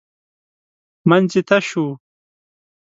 منځ یې تش و .